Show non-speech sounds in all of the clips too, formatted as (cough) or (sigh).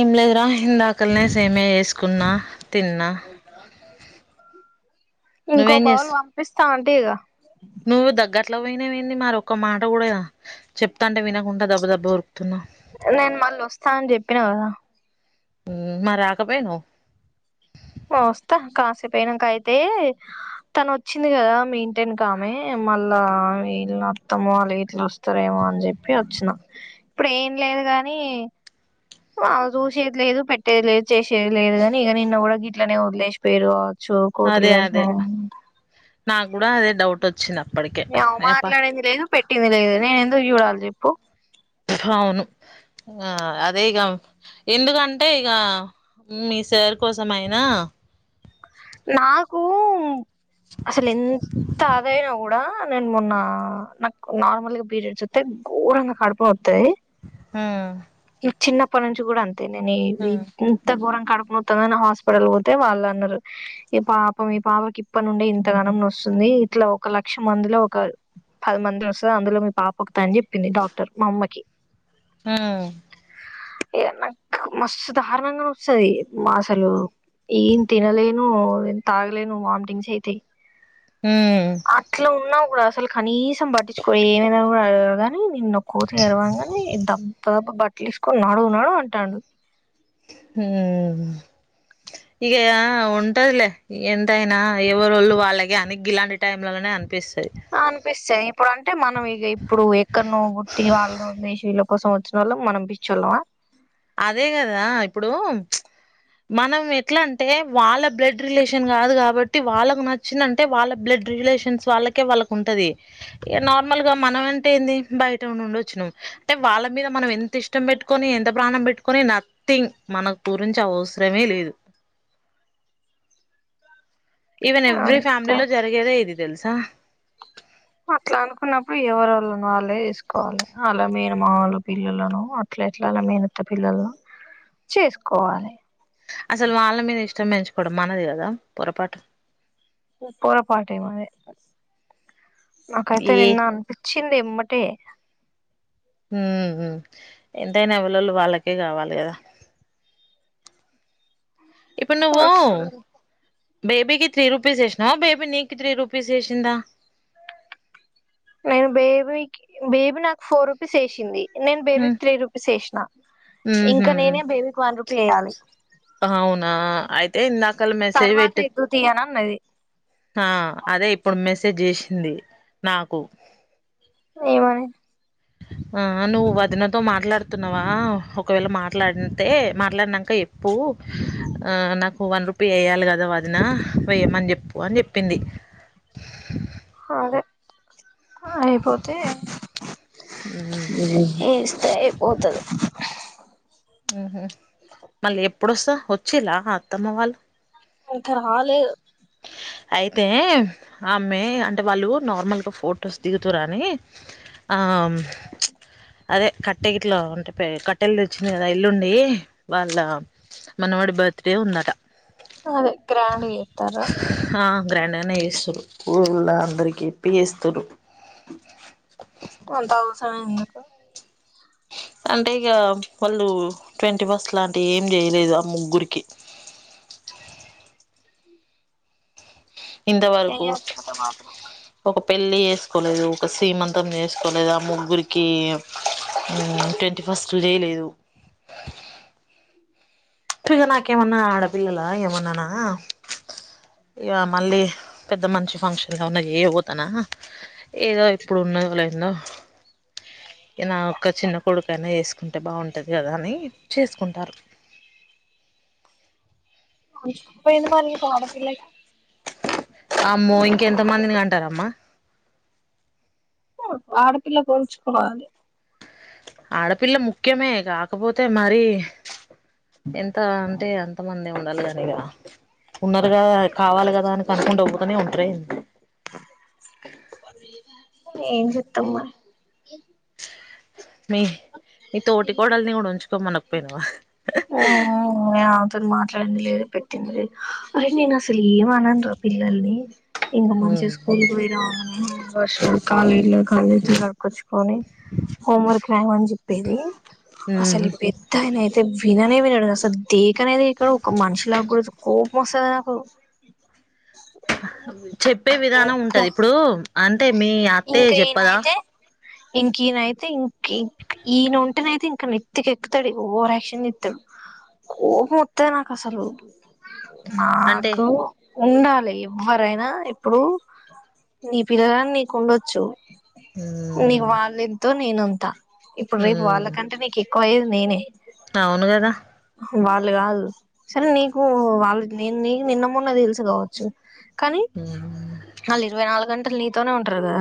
ఏం లేదురా హిందాకల్నే సేమ్యా చేసుకున్నా తిన్నా ఇంకో నువ్వేం చేస్ బౌల్ పంపిస్తా అంటివి గా నువ్వు దగ్గర్ట్లా పోయినావెంది మరొక్క మాట కూడా చెప్తాటే వినకుండా దాబా దాబా ఉరుకుతున్నావు నేను మళ్ళీ వస్తా అని చెప్పినా కదా ఉమ్ మరి రాకపోయినవు వస్తా కాసేపు అయినాక అయితే తనోచ్చింది కదా మెయింటెన్ కామే మళ్ళా వీళ్ళ అత్తమ్మ వాళ్ళ గిట్ల వస్తారేమో అని చెప్పి వచ్చిన ఇప్పుడు ఏం లేదు కాని ఆమె చూసేది లేదు పెట్టేది లేదు చేసేది లేదు కాని ఇగ నిన్న కూడా గీట్లోనే వదిలేసిపోయారు చు అదే కోతులు అదే కరిసినా కానీ నాకు కూడా అదే డౌట్ వచ్చింది అప్పటికే ఆమె అయప్ప మాట్లాడేది లేదు పెటేది లేదు నేను ఎందుకు చూడాలి చెప్పు అవును ఆ అదే ఇగ ఎందుకంటే ఇగా మీ సార్ కోసం అయినా నాకు అసలు ఎంత అదయినా కూడా నేను మొన్న నాకు నార్మల్గా పీరియడ్స్ వత్తే ఘోరంగా కడుపు నొత్తాది ఉమ్ చిన్నప్పటి నుంచి కూడా అంతే నేను ఉమ్ ఇంత గోరం కడుపునొతాది హాస్పిటల్ పోతే వాళ్ అన్నారు ఈ పాపం మీ పాపకి ఇప్పటి నుండే ఇంత గనం నొస్తుంది ఇట్లా ఒక లక్ష మందిలో ఒక పది మంది ఒస్తది అందులో మీ పాప ఒకతని చెప్పింది డాక్టర్ మా అమ్మకి ఉమ్ ఇగ నాకు మస్తు దారుణంగా నొస్తది అసలు ఏం తినలేం ను తాగలేను వామిటింగ్స్ అయితాయి ఉమ్ అట్లా ఉన్నా కూడా అసలు కనీసం పట్టించుకో ఏమైనా కూడా అడగరుగాని నిన్న కోతి కర్వంగానే తప్ దబ దబ బట్టలేసుకొని నడువు నడువు అంటాడు ఉమ్ ఇగ ఉంటదిలే ఎంతయినా ఎవరోళు వాళ్ళగే అని గీలాంటి టైమ్లలోనే అనిపిస్తది అనిపిస్తాయి ఇప్పుడు అంటే మనం ఇగ ఇప్పుడు ఎక్కడ నువ్వు పుట్టి వాళ్ళు లేసి వీళ్ళ కోసం వచ్చినోళం మనం పిచ్చిల్లమా అదే కదా ఇప్పుడు మనం ఎట్లా అంటే వాళ్ళ బ్లడ్ రిలేషన్ కాదు కాబట్టి వాళ్ళకు నచ్చిందంటే వాళ్ళ బ్లడ్ రిలేషన్స్ వాళ్ళకే వాళ్ళకు ఉంటది ఇ నార్మల్ గా మనం అంటే ఏంది బయట నుండి వచ్చినం అంటే వాళ్ళ మీద మనం ఎంత ఇష్టం పెట్టుకొని ఎంత ప్రాణం పెట్టుకోని నథింగ్ మనకు గురించి అవసరమే లేదు ఈవెన్ ఎవ్రీ అంత ఫ్యామిలీలో జరిగేదే ఇది తెలుసా అట్లా అనుకున్నప్పుడు ఎవరు వాళ్ళన వాళ్ళే చూసుకోవాలి అలా మేను మాములు పిల్లులను అట్లే ఎట్లా మేనత పిల్లలను చేసుకోవాలి అసలు వాళ్ళ మీద ఇష్టం పెంచుకోవడం మనది కదా పొరపాటు పోరపాట ఏమది నాకైతే ఏ నిన్న అనిపించి చిందియేమ్మటే హ ఎంతైనా వాలలు వాళ్ళకే కావాలి కదా ఇప్పుడు నువ్వు అసలు బేబీకి త్రీ రూపీస్ వేసినా బేబీ నీకు త్రీ రూపీస్ వేసిందా నేను బేబీకి బేబీ నాకు ఫోర్ రూపీస్ వేసింది నేను హ్మ్ బేబీకి త్రీ రూపీస్ వేసినా హ్మ్ హు ఇంకా నేనే బేబీకి వన్ రూపీ వేయాలి అవునా అయితే ఇందాకల మెసేజ్ తర్వాత పెట్ ఇద్దు తీ అని అన్నది ఆ అదే ఇప్పుడు మెసేజ్ చేసింది నాకు ఏమని ఆ నువ్వు వదినతో మాట్లాడుతున్నావా ఒకవేళ మాట్లాడితే మాట్లాడినాక చెప్పు ఆ నాకు వన్ రూపీయి వేయాలి కదా వదిన వేయ్యమని చెప్పు అని చెప్పింది అదే ఆ అయిపోతే ఏస్తే ఐపోతది ఉహ మళ్ళీ ఎప్పుడొస్తా వచ్చేలా అత్తమ్మ వాళ్ళు త లేదు అయితే ఆమె అంటే వాళ్ళు నార్మల్గా ఫొటోస్ దిగుతారని ఆమ్ అదే కట్టెగిట్లో ఉంటే కట్టె ఇల్లు వచ్చింది కదా ఇల్లుండి వాళ్ళ మనం బర్త్డే ఉందట అదే గ్రాండ్ చేతారా హ గ్రాండ్గానే చేస్తురు ఊళ్ళ అందరికి చెప్పి చేస్తురూ కొంత అవసరమే ఎందుకు అంటే ఇక వాళ్ళు ట్వంటీ ఫస్ట్ లాంటి ఏం చేయలేదు ఆ ముగ్గురికి ఇంత వరకు చెయ్యకపోతే మాత్రం ఒక పెళ్ళి చేసుకోలేదు ఒక సీమంతం చేసుకోలేదు ఆ ముగ్గురికి ట్వంటీ ఫస్ట్ చేయలేదు ఇగ నాకేమన్నా ఆడ పిల్లల ఏమన్నానా ఇగ మళ్ళీ పెద్ద మంచి ఫంక్షన్ గా ఉన్న ఏయ పోతానా ఏదో ఇప్పుడు ఉన్నదో లేందో ఇగ నా ఒక్క చిన్న కొడు ఎనా చేసుకుంటే బాగుంటుంది కదా అని చేసుకుంటారు నిష్ పోయింది మల్లీ ఇంకోడపిళ్ళై అమ్మో ఇంకెంత మందిని అంటారమ్మా ఆడపిల్లకు ఉంచుకోవాలె ఆడపిల్ల ముఖ్యమే కాకపోతే మరి ఎంత అంటే అంత మంది ఉండాలి దని ఇక ఉన్నారుగాదా కావాలి కదా అని కనుకుంట బొతనే ఉంటారు ఎ ఏం చెత్తమ్మారి మీ మీ తోటి కోడల్ని కూడా ఉంచుకోమనకపోయినావా ఆమెతోను మాట్లాడి పెట్టింది లేద్ అరే నేను అసలు ఏమ అనను రా పిల్లల్ని ఇంకా ఉమ్ మంచిగా స్కూల్ పోయిరంగానే హ్యాండ్వాష్ కల్గిట్ల కల్లూచేతులు కడుక్కచ్చు కొని హోంవర్క్ రాయమని చెప్పేది అసలు ఉమ్ ఈ పెద్దయినా అయితే విననే వినడు అసల్ దేకనే దేఖడు ఒక మనిషిలా కూడా చు కోపమస్తది నాకు ఇ చెప్పే విధానం ఉంటది ఇప్పుడు అంటే మీ అత్తయ్య ఇంకా చెప్పదా ఈయనయితే ఇంక ఈయన ఐతే ఇంకిం ఈయన ఉంటేన అయితే ఇంకా నెత్తికెక్కుతాడు ఓవర్ యాక్షన్ చేత్తాడు కోపమత్తది నా కసలు అంటే నాకు ఉండాలి ఎవ్వరైనా ఇప్పుడు నీ పిల్లలని నీకు ఉండొచ్చు నీ ఉమ్ వాళ్ళెంతో నేనంత ఇప్పుడు రేపు ఉమ్ వాళ్ళకంటే నీకు ఎక్కువ అయ్యేది నేనే అవును కదా వాళ్ళు కాదు సరే నీకు వాళ్ళు నేను నీకు నిన్న మొన్న తెలుసు కావచ్చు కానీ ఉమ్ వాళ్ళు ఇరవై నాలుగు గంటలు నీతోనే ఉంటారు కదా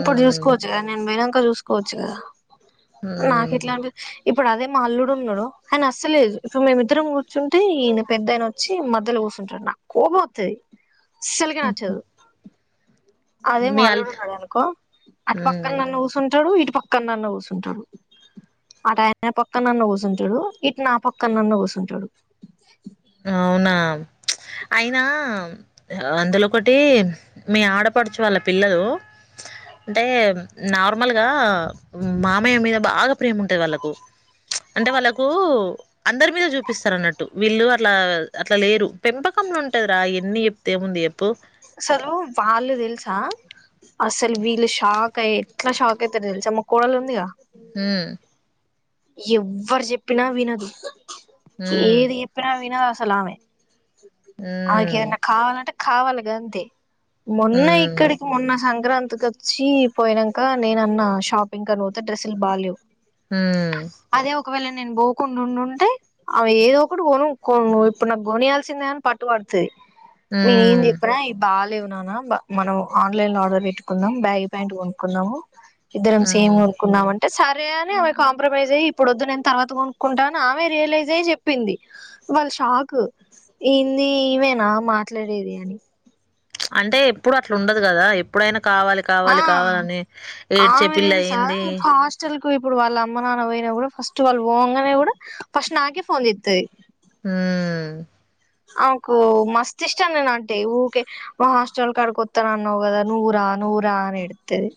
ఇప్పుడు చూసుకోవచ్చు కదా నేను పొయినంక చూసుకోవచ్చు కదా నాకు ఉమ్ ఎట్లా అనిపి ఇప్పుడు అదే మా అల్లుడు ఉన్నాడు అయన అస్సలేదు ఇప్పుడు మేమిద్దరం కూర్చుంటే ఈయన పెద్దయిన వచ్చి మధ్యలో చూసుంటడు నాకు కోపం అత్తది స్సలకె నచ్చదు అదే మా మీ అల్ అల్లుడు ఉన్నాడు అనుకో అటు పక్కన ఉమ్ నన్న కుసుంటాడు ఇటు పక్కనన్న కూసుంటాడు అటు ఆయన పక్కనన్న కూసుంటాడు ఇటు నా పక్కనన్న కూసుంటాడు అవునా అయినా అందులో ఒకటి మీ ఆడపడుచు వాళ్ళ పిల్లలు అంటే నార్మల్గా మామయ్య మీద బాగా ప్రేమ ఉంటది వాళ్ళలకు అంటే వాళ్ళకు అందరి మీద చూపిస్తారు అన్నట్టు వీళ్ళు అట్లా అట్లా లేరు పెంపకముంలో ఉంటది రా ఎన్ని చెప్తే ఏముంది చెప్పు అసలు వాళ్ళు తెలుసా అసలు వీళ్ళు షాక్ అయి ఎట్లా షాక్ అయితరు తెలుసా మా కోడలు ఉందిగా ఉం ఎవరు చెప్పినా వినదు ఉమ్ ఏది చెప్పినా వినదస్ లమే ఉమ్ అమేకెదన్నా కావాలంట కావాలేగంతే మొన్న ఉమ్ ఇక్కడికి మొన్న సం క్రాంతి కచ్చి పోయినంక నేనన్నా షాపింగ్ కని పోతే డ్రెస్సులు బాగాలేవు ఉం ఒకవేళ నేను పోకుండా ఉండి ఉంటే ఆమె ఏదో ఒకటి కొను కోన్ ఇప్పుడు నాకు కొనియాల్సిందే అని పట్టు పడుతది నేను ఏం హ్మ్ చెప్పిన ఈ బాలేవు నాన్న మనం ఆన్లైన్ లో ఆర్డర్ పెట్టుకుందాం బ్యాగ్ ప్యాంట్ కొనుకుందాము ఇద్దరం సేమ్ హ్మ్ కొనుకుందాం అంటే సరే అనే ఆమె కాంప్రమైజ్ అయ్యి ఇప్పుడు వద్దు నేను తర్వాత కొనుక్కుంటా అని ఆమె రియలైజ్ అయ్యి చెప్పింది వాళ్ళు షాక్ ఏంది ఈమేనా మాట్లాడేది అని అంటే ఎప్పుడు అట్ల ఉండదు కదా ఎప్పుడైనా కావాలి ఆ కావాలి కావాలని ఏడ్చే ఆమె పిల్ల తెలుసా ఏంది ఇప్పుడు హాస్టల్ ఇప్పుడు వాళ్ళ అమ్మ నాన్న పోయినా కూడా ఫస్ట్ వాళ్ళు పోంగనే కూడా ఫస్ట్ నాకే ఫోన్ చేత్తది ఉమ్ ఆమెకు మస్త్ ఇష్టం నేనంటే ఊరికే మా హాస్టల్ కాడికి ఒత్తనన్నవ్ కదా నువ్వు రా నువ్వు రా అని ఏడ్తది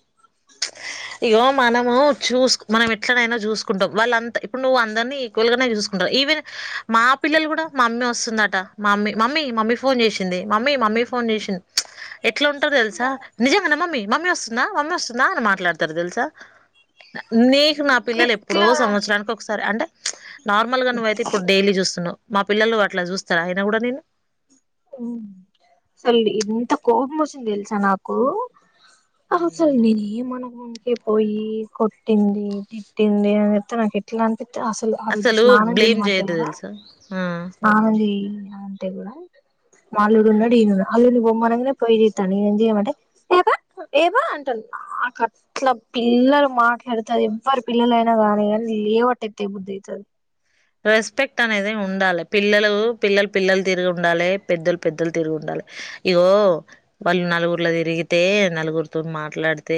ఇగో మనము చూసు మనం ఎట్లనైన చూసుకుంటాం వాళ్ళంత ఇప్పుడు నువ్వు అందరినీ ఈక్వల్ గనే చూసుకో ఈవెన్ మా పిల్లలు కూడా మమ్మీ వస్తుందట మమ్మీ మమ్మీ మమ్మీ ఫోన్ చేసింది మమ్మీ మమ్మీ మ్మీ ఫోన్ చేసి ఎట్ల ఉంటారు తెలుసా నిజంగనా మమ్మీ మమ్మీ వస్తుందా మమ్మీ వస్తుందా అని మాట్లాడ తరు తెలుసా నీకు నా పిల్లలు ఎప్పుడో ఇట్లా సంవత్సరానికి ఒకసారి అంటే నార్మల్గా నువ్వైతే ఇప్పుడు డైలీ చూస్తున్నవు మా పిల్లలు అట్ల చూస్తరా అయిన కూడా నిన్ను అసల్ ఎంత కోపం వస్తుంది తెల్సా నాకు అసలు నేనేం నికి పోయి కొట్టింది తిట్టింది అని చెప్తే నాకు ఎట్ల పిత్తే అసలు ఆ రోజు అసలు స్నానం బ్లేమ్ చేయమంటే చేయొద్దు కూడా తెలుసా స్నానం చెయ్యిరా అనంటే కూడా మా అల్లుడు ఉన్నడు ఈయనున్నడు అల్లుడిని పొమ్మనంగనే పోయి చేత్తాండు ఈయనను చేయమంటే ఏ పో ఏపో అంటుండు నాకట్ల పిల్లలు మాట్లాడుతే అదెవ్వరి పిల్లలైనా కానీ కనీ లేబట్టి ఎత్తేయబుద్ధయితుది రెస్పెక్ట్ అనేది ఉండాలి పిల్లలు పిల్లలు పిల్లలు తీరుగ ఉండాలే పెద్దలు పెద్దలు తీరుగ ఉండాలే ఇగో వాళ్ళు నలుగురుల తిరిగితే నలుగురుతో మాట్లాడితే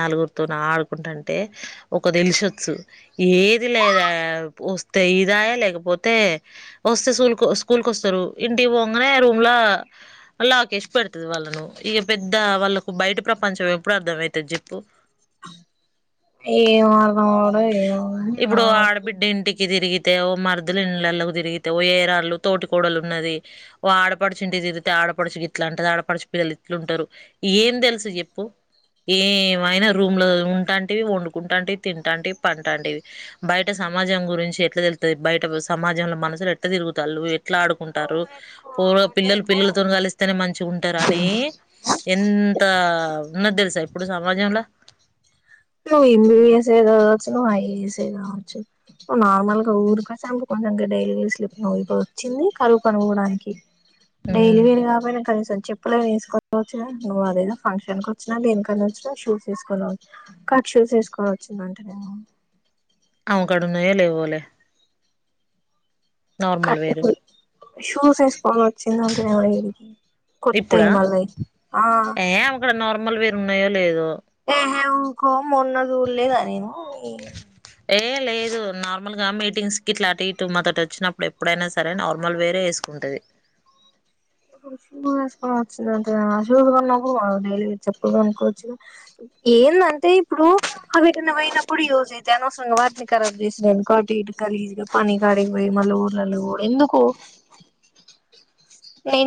నలుగురు రుతో ఆడుకుంటంటే ఒక తెలిసొచ్చు ఏది లేదాయే ఓ తీదాయే లేకపోతే వస్తే స్కూల్ స్కూల్కు వస్తరు ఇంటికి పోగానే రూమ్లా లాక్ ఏషి పెడుతది వాళ్ళను ఇక పెద్ద వాళ్ళకు బయటి ప్రపంచం ఎప్పుడు అర్థం ఐతది జెప్పు ఏం అర్దంమవ్వుడో ఏమో కానీ ఇప్పుడు నాకు ఆడబిడ్డ ఇంటికి తిరిగితే ఓ మరుదుల ఇండ్లల్లకి తిగితే ఓ ఏరాలు తోటికోడలు ఉన్నది ఓ ఆడపడుచింటికి తిరిగితే ఆ ఆడపడుచు గిట్ల అంటది ఆడపడుచు పిల్లలు ఇట్ల ఉంటారు ఏం తెలుసు చెప్పు ఏమైనా రూమ్ లో ఉంటాంటివి వండుకుంటాంటివి తింటాంటివి పంటాంటివి బయట సమాజం గురించి ఎట్ల తెల్తది బయట సమాజంలో మనుషులు ఎట్ల తిరుగుతాళ్ళు ఎట్ల ఆడుకుంటాళ్ళు ఎక్కువ పో పిల్లలు నీకు పిల్లలతో కలిస్తేనే మంచిగ ఉంటరని ఎంత ఉన్నది తెలుసా ఇప్పుడు సమాజంల నువ్వు యం బి బి ఎస్ ఏ కావచ్చు నువ్ ఐ ఏ ఎస్ ఏ కావచ్చు నువ్వు నార్మల్ గా ఊరికా (unintelligible) ఇంగ డైలీ వేర్ స్లిప్పర్లు ఏసుకుని వచ్చింది కరువు పనికిపోడానికి డైలీ వేర్ కాకపోయినా కనీసం చెప్పులే వేసుకోవచ్చ నువ్వు అదేదో ఫంక్షన్కు వచ్చినవా దేనికన్న వచ్చినవా షూస్ ఏసుకుని కట్ షూస్ ఏసుకొని వచ్చిందంటేనేమో అవుకాడున్నయో లేవోలే నార్మల్ కట్ వేరు ఇప్పుడు షూస్ ఎస్కొని వచ్చిందంటేనేమో ఈడికి కొత్తయి ఇప్పుడా మళ్ళ అయ్యి ఆ ర్మల్ వేర్ ఉన్నయో లేదో ఏహే ఊకో మొన్న సూడలేదా నేను నీ ఏ లేదు నార్మల్ గా మీటింగ్స్ కి ఇట్ల అటు ఇటు మాతోటి వచ్చినప్పుడు ఎప్పుడైన సరే నార్మల్ వేరే వేసుకో కుంటది అవు షూ ఏస్కొనీ వచ్చిందంట షూ బదులు డైలీ చెప్పులు కొనొచ్చు గా ఏందంటే ఇప్పుడు అవేటన్న పోయినప్పుడు యూజ్ అయితయి అనవసరంగ వాటిని కరాబ్ చేసుడేందుకు అటు ఇటు గలీజ్గ పనికాడికిపోయి మళ్ళ ఊర్లల్లకు పోవుడు ఎందుకు ఏం